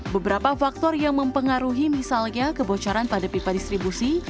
beberapa faktor yang mempengaruhi misalnya kebocoran pada pipa distribusi